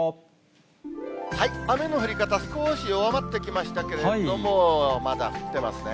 雨の降り方、少し弱まってきましたけれども、まだ降ってますね。